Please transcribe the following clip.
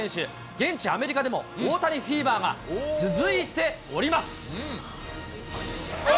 現地アメリカでも、大谷フィーバーが続いております。